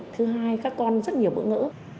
thứ hai các con rất nhiều bữa ngỡ